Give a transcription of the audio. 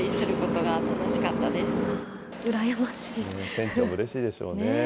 船長もうれしいでしょうね。